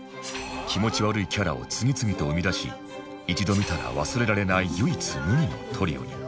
気持ち悪いキャラを次々と生み出し一度見たら忘れられない唯一無二のトリオに